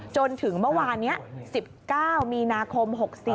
จนถึงเมื่อวานนี้๑๙มีนาคม๖๔